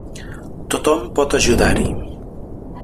Tothom pot ajudar-hi!